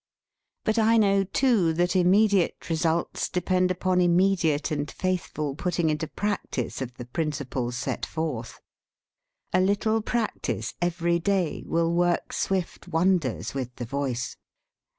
But I know, too, that immediate re sults depend upon immediate and faithful putting into practice of the principles set forth. A little practice every day will work swift wonders with the voice.